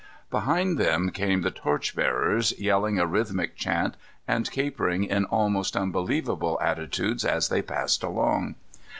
Behind them came the torchbearers, yelling a rhythmic chant and capering in almost unbelievable attitudes as they passed along.